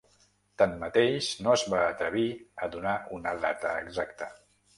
Tanmateix, no es va atrevir a donar una data exacta.